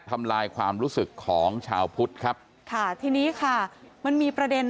ทำลายความรู้สึกของชาวพุทธครับค่ะทีนี้ค่ะมันมีประเด็น